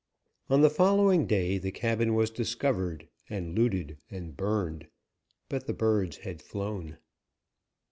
On the following day the cabin was discovered and looted and burned, but the birds had flown.